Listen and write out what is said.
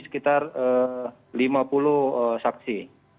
sekitar lima puluh saksi